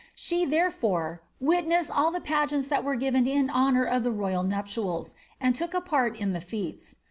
She, therefore, witnessed all the geants that were given in honour of the royal nuptials, and took a pi Uie fiStes.